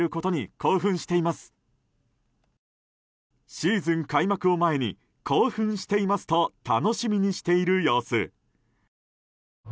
シーズン開幕を前に興奮していますと楽しみにしている様子。